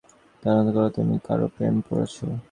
তারও ধারণা, তুমি কারো প্রেমে পড়েছ।